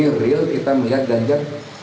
ini murni real kita melihat ganjar